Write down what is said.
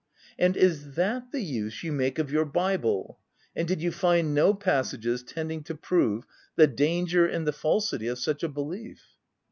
*" And is that the use you make of your bible ? And did you find no passages tending to prove the danger and the falsity of such a belief